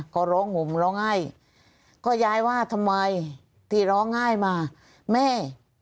ก็ร้องห่มร้องไห้ก็ยายว่าทำไมที่ร้องไห้มาแม่